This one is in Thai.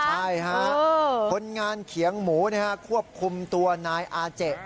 ใช่ฮะคนงานเขียงหมูควบคุมตัวนายอาเจ